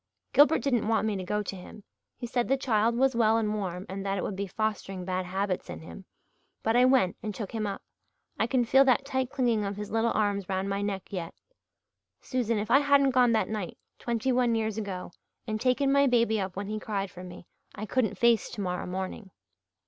Gilbert didn't want me to go to him he said the child was well and warm and that it would be fostering bad habits in him. But I went and took him up I can feel that tight clinging of his little arms round my neck yet. Susan, if I hadn't gone that night, twenty one years ago, and taken my baby up when he cried for me I couldn't face tomorrow morning."